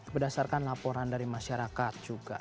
berdasarkan laporan dari masyarakat juga